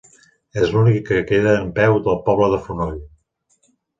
És l'únic que queda en peu del poble de Fonoll.